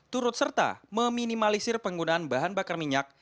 turut serta meminimalisir penggunaan bahan bakar minyak